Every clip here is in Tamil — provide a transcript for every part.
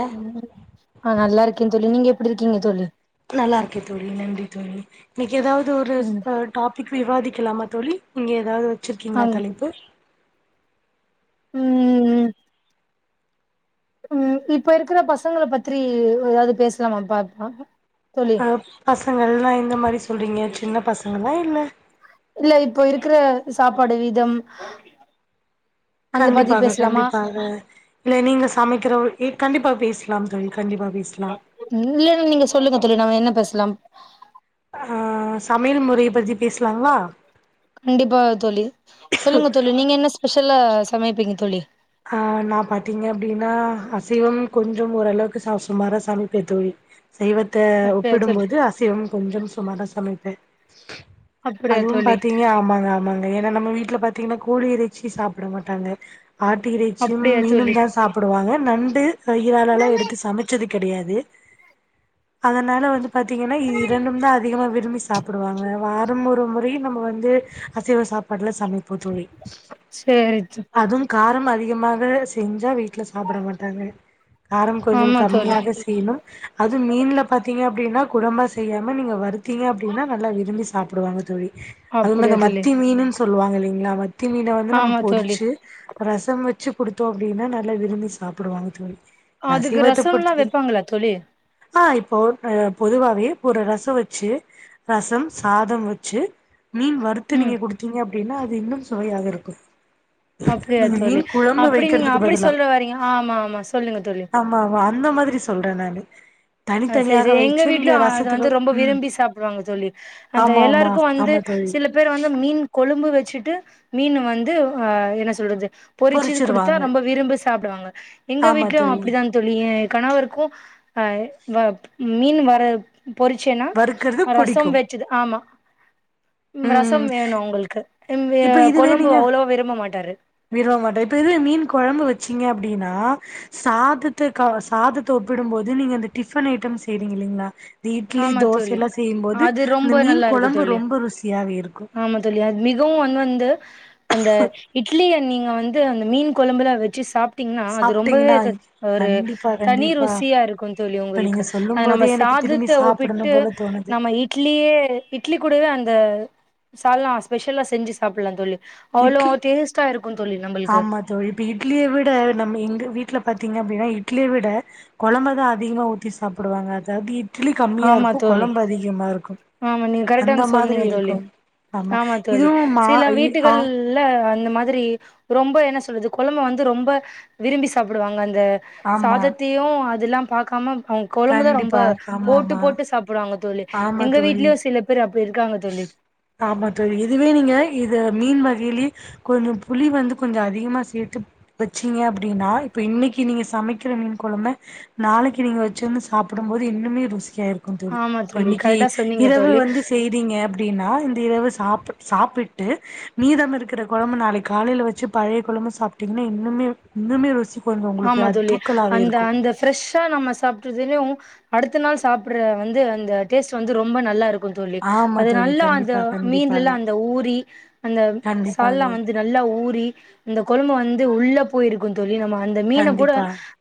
அ ம் ஆ நல்லா இருக்கேன் தோழி நீங்க எப்டி இருக்கீங்க தோழி நல்லா இருக்கே தோழி நன்றி தோழி எதாவது ஒரு ம் டாபிக் விவாதிக்கலாமா தோழி நீங்க எதாவுது ஆ வச்சிருக்கீங்களா தலைப்பு ம் ம் ம் இப்ப இருக்கற பசங்கள பத்தி ஏதாது பேசலாமா பார்ப்பா அ பசங்கல்லா எந்த மாரி சொல்றீங்க சின்ன பசங்கல்லா இல்ல இல்ல இப்போ இருக்கற சாப்பாடு விதம் கண்டிப்பாக கண்டிப்பாக இல்லே நீங்க சமைக்கறவ கண்டிப்பாக பேசலாம் தோழி கண்டிப்பா பேசலா இல்லைனா நீங்க சொல்லுங்க தோழி நம்ப என்ன பேசலாம் ஆ சமையல் முறைய பத்தி பேசலாங்ளா கண்டிப்பாக தோழி சொல்லுங்க தோழி நீங்க என்ன ஸ்பெஷல் எதுல சமைப்பிங்க தோழி ஆ நா பாத்தீங்க அப்டின்னா அசைவம் கொஞ்சம் ஓரளவுக்கு ச சுமாரா சமைப்பே தோழி சைவத்த அப்டியா தோழி ஒப்பிடும்போது அசைவம் கொஞ்சம் சுமாரா சமைப்பே அப்டியா அதுவு தோழி பாத்தீங்க ஆமாங்க ஆமாங்க ஏன்னா நம்ம வீட்ல பாத்தீங்கன்னா கோழி இறைச்சி சாப்ட மாட்டாங்க ஆட்டு இறைச்சியும் அப்டியா தோழி மீனுந்தா சாப்புடுவாங்க நண்டு இராலல்லா எடுத்து சமைச்சது கெடயாது அதனால வந்து பாத்தீங்கன்னா இரண்டும் தா அதிகமா விரும்பி சாப்பிடுவாங்க வாரம் ஒரு மு றை நம்ம வந்து அசைவ சாப்பாடுல சமைப் ப்போ தோழி சேரி தோ அதும் காரம் அதிகமாக செஞ்சா வீட்ல சாப்பட மாட்டாங்க காரம் கொஞ்சம் ஆமா தோழி கம்மியாக செய்யணும் அதுவு மீன்ல பாத்தீங்க அப்டின்னா குரும்மா செய்யாம நீங்க வறுத்தீங்க அப்புடின்னா நல்லா விரும்பி சாப்புடுவாங்க தோழி அதுவு அப்டியா இந்த தோழி மத்தி மீனுன் சொல் சொல்லுவாங்க இல்லிங்ளா ம த்தி மீன வந்து நம்ம ஆமா தோழி பொரிச்சு ரசம் வச்சு குடுத்தோ அப்டின்னா நல்லா விரும்பி சாப்புடுவாங்க தோழி அதுக்கு அசைவத்த ரசல்லா பொறுத்த வப்பாங்களா தோழி ஆ இப்போ அ பொதுவாவே ஒரு ரச வச்சு ரசம் சாதம் வச்சு மீன் வறுத்து ம் நீங்க குடுத்தீங்க அப்டின்னா அது இன்னு சுவையா இருக்கு அப்டி அது நீங்க தோழி மீன் குழம்பு அப்டி நீங்க வைக்கிறதுக்கு அப்டி பதிலா சொல்லவரீங்க ஆமாமா சொல்லுங்க தோழி ல்ற நானு ஆ சேரி தனித்தனியாக சேரி எங்க வைச்சு நீங்க வீட்லயு அத ரசத்துக்கு வந்து ரொம்ப ம் விரும்பி சாப்பிடுவாங்க தோழி அந்த ஆமா ஆமா எல்லாருக்கு வந்து ஆமா தோழி சில பேர் வந்து மீன் கொழும்பு வெ ச்சுட்டு மீன் வந்து என்ன சொல்றது பொரிச்சுது குடுத்தா பொறிச்சிருவாங்க ரொம்ப விரும்பி சாப்பிடுவாங்க எங்க ஆமா வீட்லயு தோழி அப்படிதான் தோழி எ கணவருக்கு ஆ வப் மீன் வர பொறிச்சேனா வறுக்கறது ரசம் புடிக்கும் வெச்சது ஆமா ம் ரசம் வேணு அவுங்கள்க்கு இப்ப இதுவே நீங்க மாட்டாரு விரும்பமாட்டா இப்ப இதுவே மீன் கொழம்பு வெச்சீங்க அப்டீனா சாதத்த சாதத்த ஒப்பிடும்போது நீங்க அந்த டிஃபன் ஐட்டம் செய்றீங்க இல்லீங்ளா இந்த இட்லி ஆமா தோச தோழி எல்லா செய்யும்போது அது அந்த ரொம்ப மீன் நல்லா இருக்கும் கொழம்பு தோழி ரொம்ப ருசியாவே இருக்கு து அந்த இட்லிய நீ நா வந்து அந்த மீன் கொழம்புல வெச்சு சாப் ட்டீங்னா அது ரொம்பவே சாப்ட்டீங்கன்னா ஒரு கண்டிப்பா தணி கண்டிப்பா ருசியா இருக்கு தோழி இப்ப உங்களுக்கு நீங்க சொல்லும் அது போதே நம்ம எனக்கு சாத திரும்பி ட்டு சாப்பிடணு ஒப்பிட்டு போல தோணுது நம்ம இட்லியே இட்லி கூடவே அந்த சால்னா ஸ்பெஷலா செஞ்சு சாப்பிடலாந் தோழி அவ்ளோ இட்லி டேஸ்டா இருக்குந் தோழி நம்மளுக்கு ஆமா தோழி இப்ப இட்லிய விட நம்ம எங்க வீட்ல பாத்தீங்க அப்டின்னா இட்லிய விட கொழம்பதா அதிகமா ஊத்தி சாப்பிடுவாங்க அதாவது இட்லி கம்மியா ஆமா இருக்கு தோழி கொழம்பு அதிகமா இருக்கு ஆமா நீங்க அந்த கரெக்ட்டாங் மாதிரி சொன்னீங்க தோழி இருக்கு ஆமா தோழி இதுவு மா சில இ ஆ வீட்டுகள்ல அந்த மா திரி ரொம்ப என்ன சொல்றது கொழம்ப வந்து ரொம்ப விரும்பி சாப்பிடுவாங்க அந் த ஆமா சாதத்தையு அதில்லாம பாக்காம அவுங்க கொழம்புதா ரொம்ப கண்டிப்பா ஆமா போட்டு ஆமா போட்டு சாப்புடுவான் ஆமா எங்க தோழி வீட்லயு சில பேர் அப்டி இரு ஆமா தோழி இதுவே நீங்க இது மீன் இளி கொஞ்சம் புளி வந்து கொஞ்சொ அதிகமா சேத்துப் வெச்சீங்க அப்டீனா இப்ப இன்னிக்கு நீங்க சமைக்கிற மீன் கொழம்ப நாளைக்கு நீங்க வெச்சிருந்து சாப்படம் போது இன்னுமே ருசி கியா இருக்குந் தோழி ஆமா தோழி ப்பன்னிக்கி கரெக்டா சொன்னீங்க இரவு தோழி வந்துஸ் கிரீங்க அப்டீன்னா இந்த இரவு சாப்பு சாப்பிட்டு மீதம் இருக்கற கொழம்ப நாளைக் காலைல வெச்சு பழைய கொழம்பு சாப்ட்டீங்ன்ன இன்னுமே இன்னுமே ருசி கொஞ்சோ உங்களுக்கு ஆமா அது தோழி தூக்கலாவே அந்த இருக்கு அந்த ஃரெஷ்ஷா நம்ம சாப் ட்றதிலியு அடுத்த நாள் சாப்பட்ற வந்து அந்த டேஸ்ட் வந்து ரொம்ப நல்லாரு க்கு தோழி ஆமா அது தோழி நல்ல அந்த கண்டிப்பா மீன்லல்லா கண்டிப்பாக அந்த ஊறி அந்த சால்னா கண்டிப்பாக வந்து நல்லா ஊறி அந்த கொழம்பு வ து உள்ள போயிருக்குந் தோழி நம்ம அந்த மீன கூட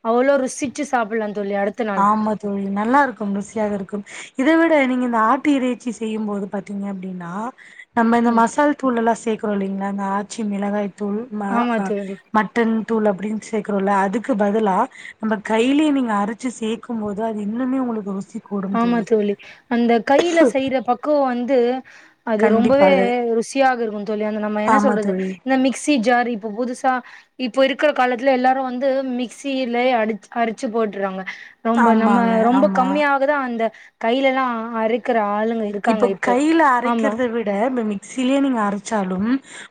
அவ்ளோ ருஸ் சிச்சு சாப்பல்லா ஆம்மா தோழி நல்லா இருக்கும் ருசியாக இருக்கும் இத வி ட நீங்க இந்த ஆட்டு இறைச்சி செய்யும்போது பாத்தீங்க அப்டினா நம்ம இந்த ம் மசால் தூள் எல்லா சேக்றோ இல்லிங் அ அந்த ஆச்சி மிளகாய் தூள் ம ஆமா அ தோழி மட்டன் தூள் அப்டின் சேக்றோல்ல அதுக்கு பதிலா நம்ப கைலியே நீங்க அர ச்சு சேக்கும் போது அது இன்னுமே உங்குளுக்கு வ் ஸ் ஆமா தோழி அந்த கையில செய்ற பக்குவோ வந்து அது ரொம்பவே கண்டிப்பாக ஏ ருசியாக இருக்கு தோழி அந்த நம்ம என்ன ஆமா சொல்றது தோழி இந்த மிக்ஸ் தி ஜாரு இப்ப புதுசா இப்பொ இருக்கற காலத்ல எல்லாரு வந்து மிக்சியிலே அடிச் அரச்சு போட்ர்றாங்க ரொம்ப நம்ம ஆமாங்க ரொம்ப ஆமா கம்மியா அந்த கையிலெல்லா அறுக்கற ஆளு இப்ப கையில அரைக்கிறத விட ம மி க்சிலியே நீங்க அரச்சாலும்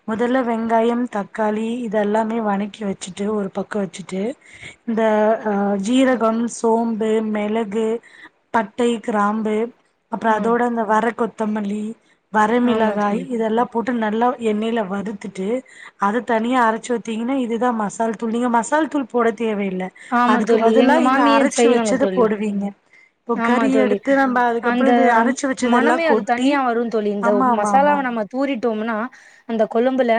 மொதல்ல வெங்காயம் தக்காளி இதெல்லாமே வனக்கி வெச்சிட்டு ஒரு பக்கொ வெச்சிட்டு இந்த அ ம், ஜீரகம் சோம் டு மெளகு பட்டை கிராம்பு அப்றோ ஆ அதோட அந்த ர கொத்தமல்லி ஆமா வரமிளகாய் தோழி இதெல்லா போட்டு நல்லா எண்ணெயில வறுத்துட்டு அத தனியா அரச்சு ஊத்தீங்ன்னா இதுதா மசால்த்தூள் நீங்க மசால் தூள் போட தேவயில்ல ஆமா அதுக்கு தோழி பதிலா எங்க இந்த மாமியு அரச்சு செய்வாங்க வெச்சத தோழி போடுவீங்க ப்ப ஆமா கறி தோழி எடுத்து நம்ப அதுக்கப்புற அந்த இது அரச்சு வெ மணமே அது தனியா வருந் தோழி இந்த ஆமா மசாலாவ ஆமாங்க நம்ம தூறிட் டொம்னா அந்த கொழம்புல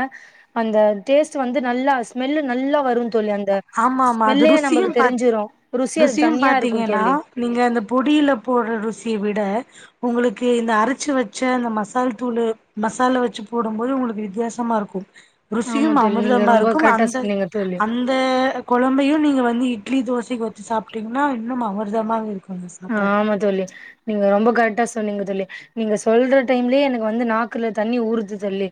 அந்த டேஸ்ட் வந்து நல்லா ஸ்மெல்லு நல்லா வரு தோழி அந்த ஆமா ஆமா அது ஸ்மெல்லே ருசியு நம்மளுக்கு பாத் தெரிஞ்சிரு ருசி அது ருசியு தனியா இருக்கு பாத்தீங்கன்னா தோழி நீங்க அந்த பொடியில போடுற ருசிய விட உங்குளுக்கு இந்த அரைச்சு வச்ச அந்த மசால் தூளு மசாலா வச்சு போடும் போது உங்குளுக்கு வித்தியாசமா இருக்கு ஆமா ருசியும் தோழி நீங்க அமிர்தமா ரொம்ப இருக்கும் கரெக்டா அந்த சொன்னீங்க தோழி அந் அ கொழம்பையு நீங்க வந்து இட்லி தோசைக்கு வச்சு சாப்ட்டீங்கன்னா இன்னும் அமிர்தமாக இருக்கும் ஆ ஆமா தோழி நீங்க ரொம்ப கரெக்டா சொன்னிங்க தோழி நீங்க சொல்ற டைம்லயே எனக்கு வந்து நாக்குல தண்ணி ஊறுது தோழி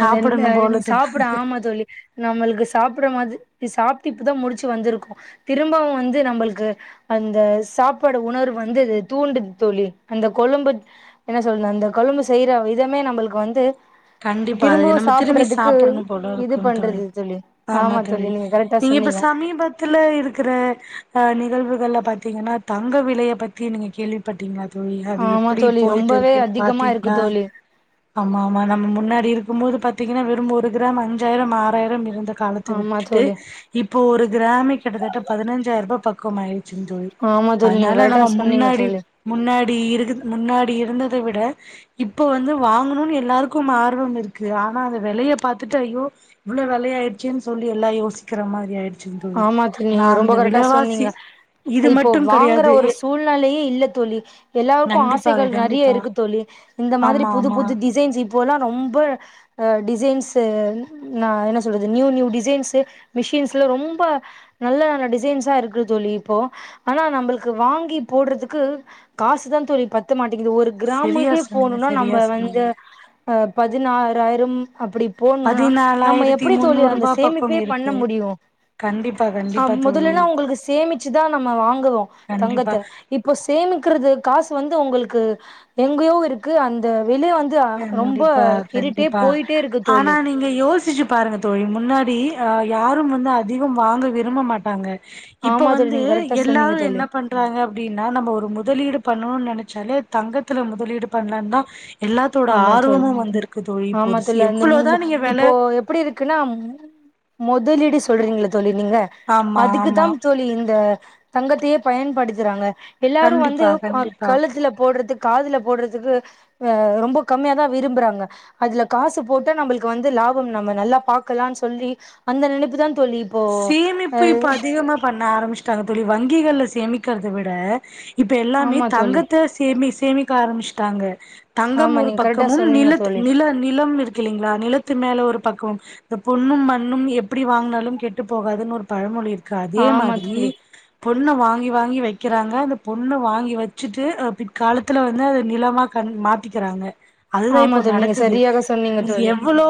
அந்த இந்த போல சாப்பிட தோணுது ஆமா தோழி நம்மளுக்கு சாப்பிடும் போது இ சாப்ட்டு இப்பதா முடிச்சு வந்துருக்கோ திரும்பவு வந்து நம்புளுக்கு அந்த சாப் பட உணர்வு வந்து தூண்டுது தோழி அந்த கொழும்பு என்ன சொல் அந்த கொழும்பு செய்ற விதமே நம்மளுக்கு வந்து கண்டிப்பாக இது திரும்பவு நம்ம திரும்பி சாப்புட்றதுக்கு சாப்படணும் போல இருக்கு தோழி ஆமா தோழி நீங்க இப்ப சமீபத்துல இருக்கற அ நிகழ்வுகள பாத்தீங்கன்னா தங்க விலைய பத்தி நீங்க கேள்விப்பட்டிங்ளா தோழி அது ஆமா எப்படி தோழி போயிட்டு ரொம்பவே இருக்குன்னு அதிகமா இருக்கு பாத்தீங்ளா தோழி ஆமா முன்னாடி இருக்கும் போது பாத்தீங்கன்னா வெறும் ஒரு கிராம் அஞ்சாயிரம் ஆறாயிரம் இருந்த காலத்த ஆமா விட்டுட்டு தோழி இப்போ ஒரு கிராமே கிட்டத்தட்ட பதனஞ்சாயிர ருபா பக் குமய் சுங் தோழி ஆமா தோழி நீங்க அதனால கரெக்டா நம்ம சொன்னீங்க முன்னாடி தோழி முன்னாடி இருக்குது முன்னாடி இருந்த விட இப்ப வந்து வாங்கணுன் எல்லாரு க்கும் ஆர்வம் இருக்கு ஆனா அது வெலைய பாத்துட்டு ஐயோ இவ்வள வெலையாயிடுச்சேன் சொல்லி எல்லா யோசிக்கற மாரி ஆயிடு ஆமா தி நீங்க ரொம்ப கரெக்டா சொன்னிங்க இது இப்போ மட்டும் வாங்கற கெடையாது ஒரு சூழ்நெலையே இல்ல தோழி எல்லாருக்கு கண்டிப்பாக ஆசைகள் நறைய கண்டிப்பா இருக்கு தோழி இந்த மாதிரி ஆமா புது ஆமா புது டிசைன்ஸ் அப்போலா ரொம்ப டிசைன்ஸ் நா என்ன சொல்றது நியூ நியூ டிசைன்ஸு மிஷின்ஸ்ல ரொம் ப நல்ல நல்ல டிசைன்ஸா இருக்குது தோழி இப்போ ஆனா நம்மளுக்கு வாங்கி போடுறதுக்கு காசு தா தோழி பத்துத மாட் டேங்குது ஒரு சரியா கிராமுவே சொன்னீங்க போனுனா சரியா நம்ம சொன்னீங்க வந்து பதினா றாயிரம் அப்படி போடணுனா நம்ம பதினாலாயிரத்தி எப்பிடி தோழி முன்னூறு அந்த ரூபா பக்கம் சேமிப்பே பண்ண இருக்கு முடியு கண்டிப்பா அ கண்டிப்பா தோழி மொதல்லிலா உங்குளுக்கு சேமிச்சுதா நம்ம வாங்குவோ கண்டிப்பா தங்கத்த இப்போ சேமிக்கறது காசு வந்து உங்களுக் கு எங்கயோ இருக்கு அந்த வெளிய வந்து ரொம்ப கண்டிப்பா இருட்டே கண்டிப்பா போயிட்டே இருக்கு ஆனா தோழி நீங்க யோசிச்சு பாருங்க தோழி முன்னாடி ய யாரும் வந்து அதிகம் வாங்க விரும்ப மாட்டாங்க இப்ப ஆமா தோழி வந்து நீங்க கரெக்டா எல்லாரு சொன்னீங்க தோழி என்ன பண்றாங்க அப்டின்னா நம்ம ஒரு முதலீடு பண்ணணுன் நெனை ச்சால தங்கத்துல முதலீடு பண்லன் தா எல்லாத்தோட ஆமா தோழி ஆர்வமு வந்திருக்கு தோழி ஆமா பொரிசு தோழி அந்த எவ்வளவுதா மு நீங்க வெல மொதலீடு சொல்றிங்கல்ல தோழி நீங்க ஆமா அதுக்கு ஆமா தான் தோழி இந்த தங்கத்தையே பயன்படுத்துறாங்க எல்லாரு வந்து கண்டிப்பா ஆ கண்டிப்பா கழுத்துல போடுறதுக்கு காதுல போடுறதுக்கு ஆ ரொ ரொம்ப கம்மியா தா விரும்புறாங்க அதுல காசு போட்ட நம்புளுக்கு வந்து லாபம் நம்ம நல்லா பாக்கலானு சொல்லி அந்த நினைப்புதா சேமிப்பு இப்ப அதிகமா பண்ண ஆரம்பிச்சட்டாங்க தோளி வங்கிகள்ல சேமிக்கறத விட இப்ப எல்லாமே ஆமா தோழி தங்கத்தை சேமி சேமி க்கா ஆரம்பிச்சுட்டாங்க தங்கம் ஆமா ஒரு நீங்க கரெக்டா பக்கமும் சொன்னீங்க நிலத் தோழி நில நிலம் இருக்கு இல்லலைங்களா நிலத்து மேல ஒரு பக்கமும் இந்த பொண்ணும் மண்ணும் எப்பிடி வாங்கினாலும் கெ ட்டு போகாதுன்னு ஒரு பழமொழி இருக் அதே ஆமா மாதிரி தோழி பொண்ணு வாங்கி வாங்கி வெக்கிறாங்க அந்த பொண்ணு வாங்கி வச்சுட்டு பிற்காலத்துல வந்து அத நிலமா கண் மாத்திக்கிறாங்க அதுதா ஆமா இப்போ தோழி நீங்க நடக்குது சரியாக சொன்னீங்க நீங்க தோழி எவ்வளோ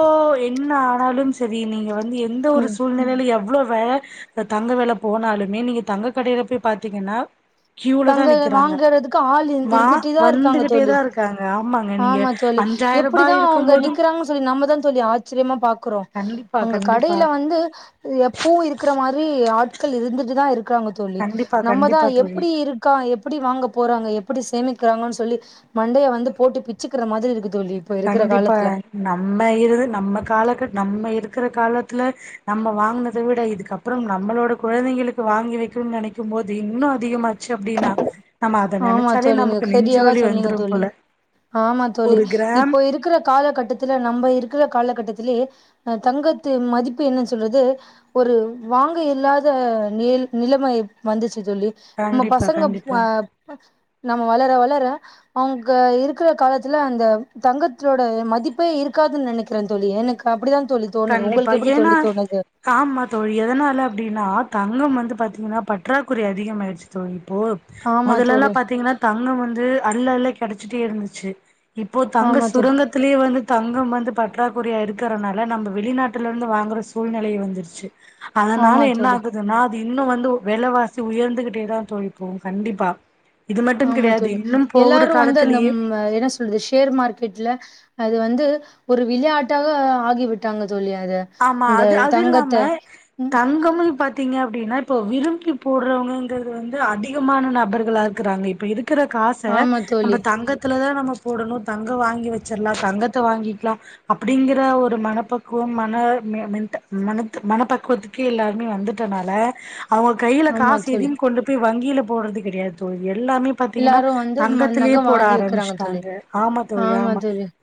என்ன ஆனாலும் சரி நீங்க வந்து எந்த ஒரு ம் சூழ்நிலையில எவ்வளவு வே தங்க வேல போனாலுமே நீங்க தங்க கடையில போய் பாத்தீங்கன்னா கியூல தா தங்க நிக்கிறாங்க வாங்கறதுக்கு ஆள் வா இருந்துட்டே தா இருக்காங்க வந்துகிட்டே தோழி தா இருக்காங்க ஆமாங்க நீங்க ஆமா தோழி அஞ்சாயிர ரூபா எப்பிடிதா இருக்கும் அவங்க போதும் நிக்கிறாங்கன்னு சொல்லி நம்மதா தோழி ஆச்சரியமா பாக்குறோ கண்டிப்பா அங்க கண்டிப்பா கடையில வந்து எப் பூ இருக்கிற மாரி ஆட்கள் இருந்துட்டுதா இருக் இருக்காங்க தோளி கண்டிப்பா நம்ம தா கண்டிப்பா எப் தோழி எப்பிடி இருக்கா எப்பிடி வாங்க போறாங்க எப்பிடி சேமிக்கிறாங்கன்னு சொல்லி மண்டைய வந்து போட்டு பிச்சுக்கிற மாரி இருக்கு தோழி இப்ப இருக்கிற கண்டிப்பா காலத்துல நம்ம இருது நம்ம காலகட்ட நம்ம இரு இருக்கிற காலத்துல நம்ம வாங்கினதை விட இதுக்கப்புறம் நம்மளோட குழந்தைங்களுக்கு வாங்கி வெக்கணும்னு நெனைக்கும் போது இன்னு அதிகமாச்சு அப்பிடின்னா ஆமா தோளி நீங்க சரியாகா சொன்னீங்க வந்துரும் தோளி போல ஆமா தோளி ஒரு கிராம் இப்போ இருக் குற காலகட்டத்துல நம்ப இருக்கிற காலகட்டத்திலயே தங்கத்து மதிப்பு என்ன சொல்லுது ஒரு வாங்க இயலாத நி நிலைமை வந்துச்சு சொல்லி நம்ம கண்டிப்பா பசங்க கண்டிப்பா ஆ நம்ம வளர வளர அவங்க இருக்கிற காலத்துல அந்த தங்கத்தோட மதிப்பே இருக்காதுன்னு நெனைக்கிறேன் தோளி எனக்கு அப்பிடித்தான் கண்டிப்பா ஏன்னா ஆமா தோழி எதனால அப்பிடின்னா தங்கம் வந்து பாத்தீங்கன்னா பற்றாக்குறை அதிகம் ஆயிடுச்சு தோழி போ ஆமா முதலல்லா தோழி பாத்தீங்கன்னா தங்கம் வந்து அல்ல அல்ல கெடச்சிட்டே இருந்து ச்சு இப்போ தங்க ஆமா தோழி சுரங்கத்திலேயே வந்து தங்கம் வந்து ப பற்றாகுறையா இருக்கறனால நம்ப வெளிநாட்டுல இருந்து வாங்குற சூழ்நிலை வந்துருச்சு அதனால ஆமா என்ன தோழி ஆகுதுனா அது இன்னு வந்து வெலவாசி உயர்ந்துகிட்டேதா தோழி போவோ கண்டிப்பா இது மட்டும் ஆமா கிடையாது தோழி இன்னும் போகுற எல்லாரு வந்து அந்த காலத்திலேயே ம் என்ன சொல்றது ஷேர் மார்க்கெட்ல அது வந்து ஒரு விளையாட்டாக ஆகிவிட்டாங்க தோழி அத ஆமா இந்த அது அது தங்கத்த இல்லாம ம் தங்கம்மு பத் திங்க அப்டின்னா இப்பொ விரும்பி போடுறவங்கங்குறது வந்து அதிகமான நபர்களா இருக்குறாங்க இப்ப இருக் க்குற காச ஆமா தோழி நம்ப தங்கத்துல தா நம்ம போடணு தங்க வாங்கி வெச்சிர்லா தங்கத்த வாங்கிக்லா அப்டிங்குற ஒரு மனப்பக்குவம் மா மா மா மெண்ட்டா மனத்து மனப் பக்குவத்துக்கே எல்லாருமே வந்துட்டனால அவங்க கையில ஆமா காசு தோழி இதின் கொண்டுப்போய் வங்கியில போட்றது கெடையாது தோழி எல்லாமே பாத்தீங்கன்னா எல்லாரு வந்து ம தங்கத்துலேயே நக போட வாங்கி வைக்கிறாங்க தோழி ஆரம்பிச்சுட்டாங்க ஆமா தோழி ஆமா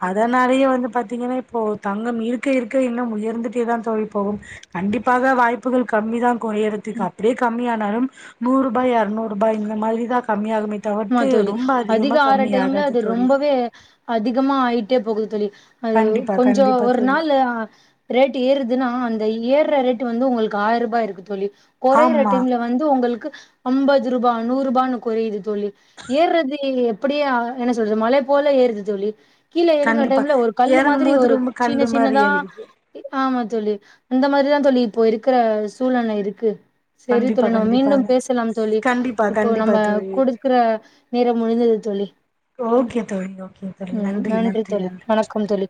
அதனாலையே வந்து பாத்தீங்கன்னா இப்போ தங்கம் இருக்க இருக்க இன்னும் உயர்ந்துட்டே தா தோழி போகும் கண்டிப்பாக வாய்ப்புகள் கம்மி தா கொ உயரத்துக் அப்டியே கம்மியா நாளும் நூருபாய் எறுநூருபாய் இந்ந மாரிதா கம்மியாகுமே ம்மா தவிர்த்து தோழி ரொம்ப அதிக அதிகமா ஆற கம்மி டைம்ல ஆகாது அது தோழி ரொம்பவே அதிகமா ஆயிட் டே போகுது தோழி அது கண்டிப்பா கொஞ்சோ கண்டிப்பா ஒரு தோழி நாள்ளு ஆ ரேட்டு ஏறுதுன்னா அந்த இ ஏர்ற ரேட்டு வந்து உங்களுக்கு ஆயரூபா இருக்கு தோழி கொறைற ஆமா டைம்ல வந்து ஒங்களுக்கு அம்பது ரூபா நூருபான்னு கொறயுது தோழி ஏர்றது எப்டியா என்ன சொல்றது மலே போல ஏறுது தோழி கீழ எறங்குற கண்டிப்பா டைம்ல ஒரு கல்லு இறங்கும் மாதிரி போது ஒரு ரொம்ப சின்ன கல்லு மாரி சின்னதா இறங்குது இ ஆமா தோழி இந்த மாரிதா தோழி இப்போ இருக்க சூழ்நெல இருக்கு செரி கண்டிப்பா தோழி நம்ம மீண்டும் கண்டிப்பாங்க பேசலாம் தோழி கண்டிப்பா இப்போ கண்டிப்பா நம்ம தோழி குடு அ நேரம் முடிந்தது தோழி ம் ம் நன்றி தோழி வணக்கம் தோழி